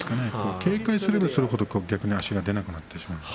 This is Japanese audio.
警戒すればするほど足が出なくなってしまうんです。